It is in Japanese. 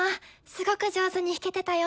すごく上手に弾けてたよ。